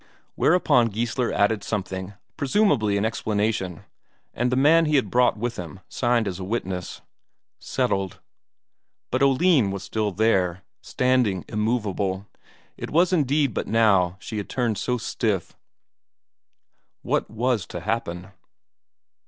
Whereupon Geissler added something, presumably an explanation, and the man he had brought with him signed as a witness. Settled. But Oline was still there, standing immovable it was indeed but now she had turned so stiff. What was to happen?